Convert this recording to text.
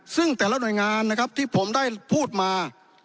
ซึ่งแต่ละหน่วยงานนะครับที่ผมได้พูดมา